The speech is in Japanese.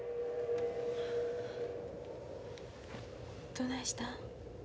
どないしたん？